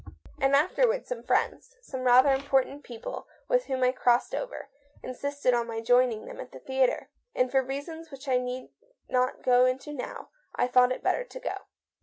"And afterward some friends — some rather important people with whom I crossed over— insisted on my joining them at the theatre. And for reasons which I need not go into now, I thought it better to go."